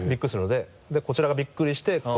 でこちらがビックリして。